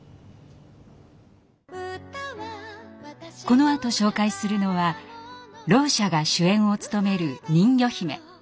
このあと紹介するのはろう者が主演を務める「にんぎょひめ」。